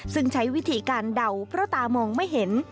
ซึ่งใช้วิธีการเดาเพราะตามองไม่เห็น